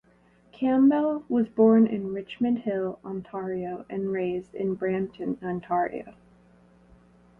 Campbell was born in Richmond Hill, Ontario and raised in Brampton, Ontario.